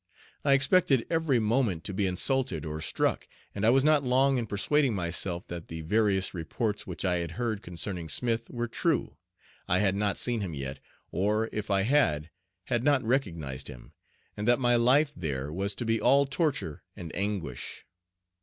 I expected every moment to be insulted or struck, and was not long in persuading myself that the various reports which I had heard concerning Smith were true I had not seen him yet, or, if I had, had not recognized him and that my life there was to be all torture and anguish.